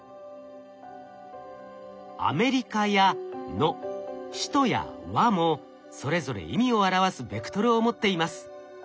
「アメリカ」や「の」「首都」や「は」もそれぞれ意味を表すベクトルを持っています。